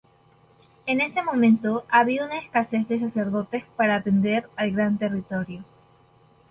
En ese momento, había una escasez de sacerdotes para atender al gran territorio.